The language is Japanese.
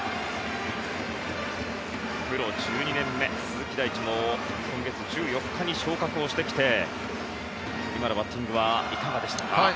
プロ１２年目、鈴木大地も今月１４日に昇格してきて今のバッティングはいかがでしたか。